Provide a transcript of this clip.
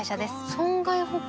損害保険？